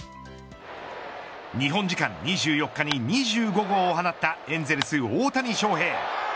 日本時間２４日に２５号を放ったエンゼルス大谷翔平。